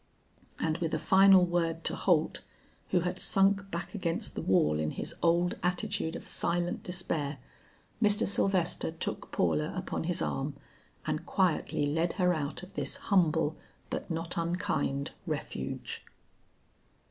And with a final word to Holt who had sunk back against the wall in his old attitude of silent despair, Mr. Sylvester took Paula upon his arm, and quietly led her out of this humble but not unkind refuge.